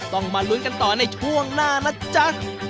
ต้องมาลุ้นกันต่อในช่วงหน้านะจ๊ะ